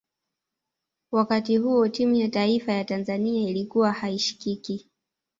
wakati huo timu ya taifa ya tanzania ilikuwa haishikiki